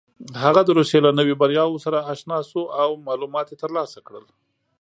هغه د روسيې له نویو بریاوو سره اشنا شو او معلومات یې ترلاسه کړل.